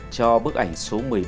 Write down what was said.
cho bức ảnh số một mươi ba